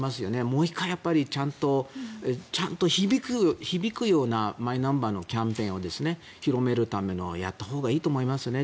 もう１回、ちゃんと響くようなマイナンバーのキャンペーンを広めるためのをやったほうがいいと思いますね。